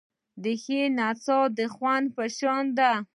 د ښې نڅا د خوند په شان دی.